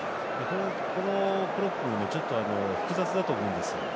このプロップ複雑だと思うんですよ。